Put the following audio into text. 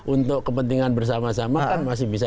untuk kepentingan bersama sama kan masih bisa